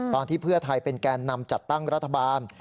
ตอนที่เพื่อไทยเป็นแกนนำจัดตั้งรัฐบาล